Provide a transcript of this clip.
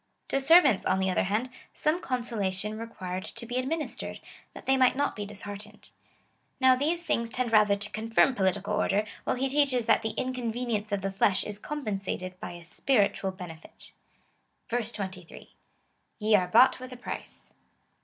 To servants, on the other hand, some consolation required to be administered, that they might not be disheartened. Now these things tend rather to confirm political order, while he teaches that the inconvenience of the flesh is com pensated by a spiritvial benefit. 23. Ye are bought with a price.